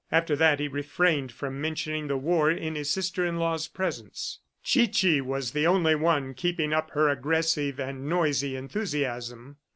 After that, he refrained from mentioning the war in his sister in law's presence. Chichi was the only one keeping up her aggressive and noisy enthusiasm.